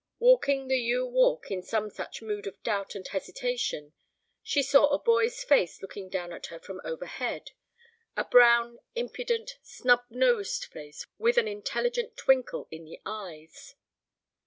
Walking the yew walk in some such mood of doubt and hesitation, she saw a boy's face looking down at her from overhead—a brown, impudent, snub nosed face with an intelligent twinkle in the eyes.